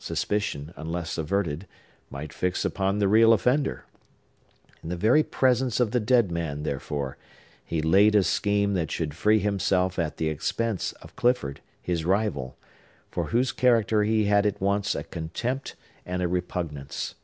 Suspicion, unless averted, might fix upon the real offender. In the very presence of the dead man, therefore, he laid a scheme that should free himself at the expense of Clifford, his rival, for whose character he had at once a contempt and a repugnance.